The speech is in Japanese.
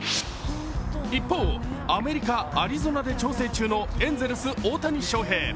一方アメリカ・アリゾナで調整中のエンゼルス・大谷翔平。